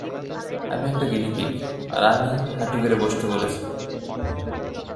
আমি একটা গিনিপিগ, আর আমি হাঁটু গেঁড়ে বসতে বলেছি!